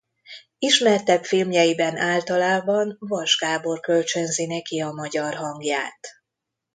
Ismertebb filmjeiben általában Vass Gábor kölcsönzi neki a magyar hangját.